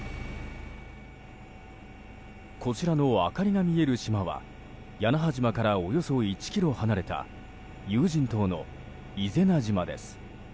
こちらの明かりが見える島は屋那覇島からおよそ１ｋｍ離れた有人島の伊是名島です。